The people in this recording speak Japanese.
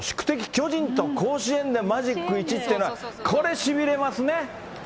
巨人と甲子園でマジック１っていうのは、これしびれますね。